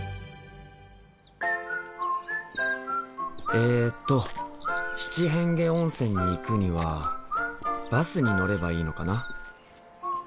えと七変化温泉に行くにはバスに乗ればいいのかな？